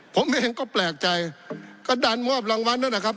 ผมเองก็แปลกใจก็ดันมอบรางวัลนั่นแหละครับ